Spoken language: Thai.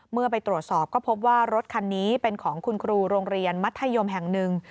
เมื่อไปตรวจสอบก็พบว่ารถคันนี้เป็นของคุณครูโรงเรียนมัธยมแห่งหนึ่ง